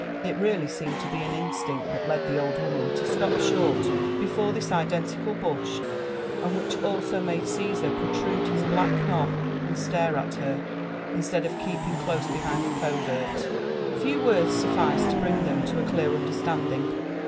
It really seemed to be an instinct that led the old woman to slop short before this identical bush, and which also made Caesar protrude his black knob and stare at her, in stead of kee)}ing close behind the covert. Few words sufficed to 'bring them to a clear understanding.